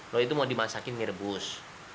lu itu mau dimasakin merebus